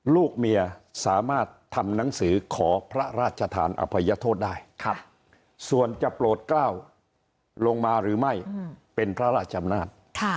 ลูกเมียสามารถทำหนังสือขอพระราชทานอภัยโทษได้ส่วนจะโปรดกล้าวลงมาหรือไม่เป็นพระราชอำนาจ